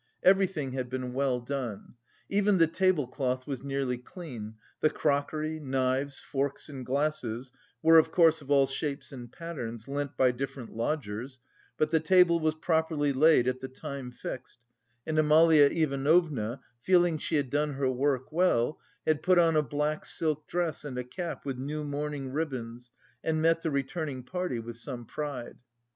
Everything had been well done. Even the table cloth was nearly clean; the crockery, knives, forks and glasses were, of course, of all shapes and patterns, lent by different lodgers, but the table was properly laid at the time fixed, and Amalia Ivanovna, feeling she had done her work well, had put on a black silk dress and a cap with new mourning ribbons and met the returning party with some pride.